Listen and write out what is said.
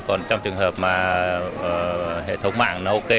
còn trong trường hợp mà hệ thống mạng ok